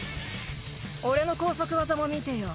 「俺の高速技も見てよ